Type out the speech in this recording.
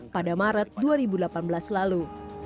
pada maret dua ribu delapan belas lalu